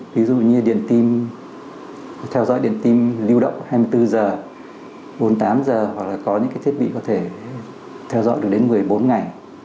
ví dụ như điện tim theo dõi điện tim lưu động hai mươi bốn h bốn mươi tám h hoặc là có những cái thiết bị có thể theo dõi được đến một mươi bốn ngày